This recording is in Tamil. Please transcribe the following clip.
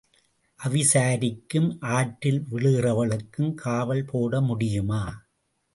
அவிசாரிக்கும் ஆற்றில் விழுகிறவளுக்கும் காவல் போட முடியுமா?